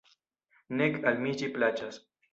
Nek al mi ĝi plaĉas.